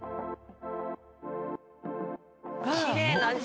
きれいな字。